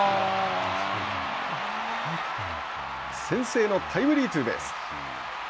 先制のタイムリーツーベース。